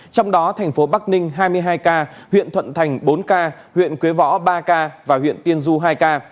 trong đó thành phố bắc ninh hai mươi hai ca huyện thuận thành bốn ca huyện quế võ ba ca và huyện tiên du hai ca